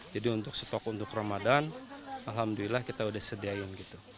jadi untuk stok untuk ramadhan alhamdulillah kita sudah sediakan